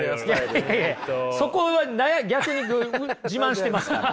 いやいやそこは逆に自慢してますから。